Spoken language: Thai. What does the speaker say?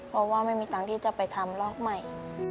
เพราะว่าไม่มีตังค์ที่จะไปทำลอกใหม่